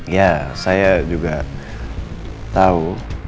ya saya juga tahu